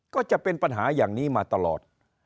ก็จะเป็นปัญหาอย่างนี้มาตลอด